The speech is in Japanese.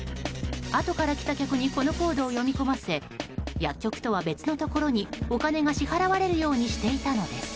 あとから来た客にこのコードを読み込ませ薬局とは別のところにお金が支払われるようにしていたのです。